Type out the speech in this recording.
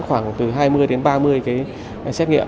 khoảng từ hai mươi ba mươi cái xét nghiệm